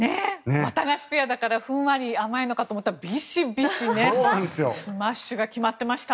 ワタガシペアだからふんわり甘いのかと思ったらびしびしとスマッシュが決まっていました。